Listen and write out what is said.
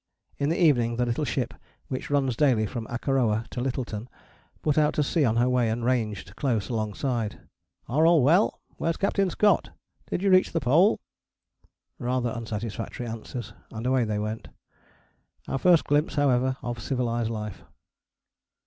In the evening the little ship which runs daily from Akaroa to Lyttelton put out to sea on her way and ranged close alongside. "Are all well?" "Where's Captain Scott?" "Did you reach the Pole?" Rather unsatisfactory answers and away they went. Our first glimpse, however, of civilized life.